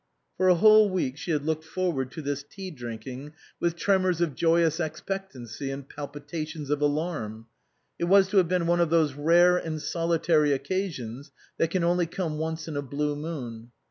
For a whole week she had looked forward to this tea drinking with tremors of joyous expect ancy and palpitations of alarm. It was to have been one of those rare and solitary occasions that can only come once in a blue moon.